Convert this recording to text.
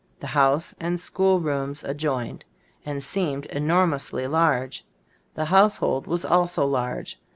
The house and school rooms adjoined, and seemed enormously large. The household was also large.